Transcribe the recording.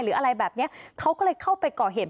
อะไรแบบนี้เขาก็เลยเข้าไปก่อเหตุ